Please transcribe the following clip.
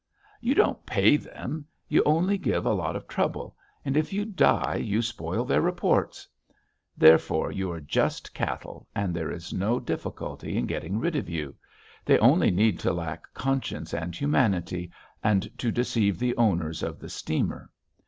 ...You don't pay them; you only give a lot of trouble, and if you die you spoil their reports. Therefore you are just cattle, and there is no difficulty in getting rid of you.... They only need to lack conscience and humanity, and to deceive the owners of the steamer.